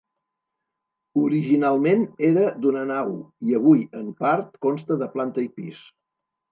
Originalment era d'una nau i avui, en part, consta de planta i pis.